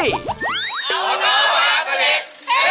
อวโมโต้หวานสนิท